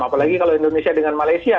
apalagi kalau indonesia dengan malaysia